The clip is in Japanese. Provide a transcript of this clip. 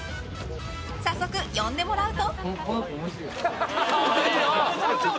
早速呼んでもらうと。